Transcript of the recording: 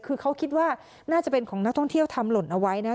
คือเขาคิดว่าน่าจะเป็นของนักท่องเที่ยวทำหล่นเอาไว้นะครับ